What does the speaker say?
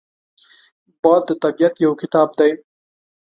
باد د طبیعت یو کتاب دی